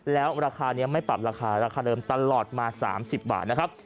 แล้วราคานี้ไม่ปรับราคาราคาเดิมตลอดมา๓๐บาทนะครับ